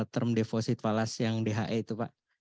term deposit falas yang dhe itu pak